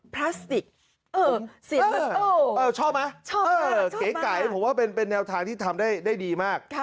พลาสติกชอบไหมชอบเก๋ไก่ผมว่าเป็นแนวทางที่ทำได้ดีมาก